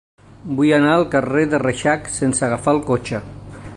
Vull anar al carrer de Reixac sense agafar el cotxe.